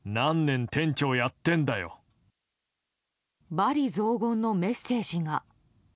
罵詈雑言のメッセージが。